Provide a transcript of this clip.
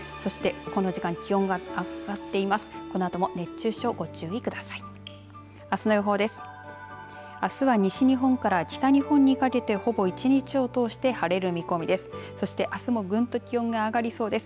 そして、この時間、気温が上がっています。